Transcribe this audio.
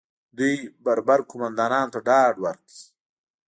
دوی بربر قومندانانو ته ډاډ ورکړي